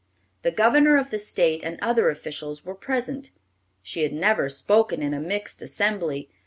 The governor of the State and other officials were present. She had never spoken in a mixed assembly.